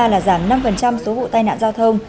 là giảm năm số vụ tài nạn giao thông